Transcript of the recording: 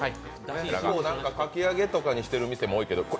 かき揚げとかにしてる店も多いけど。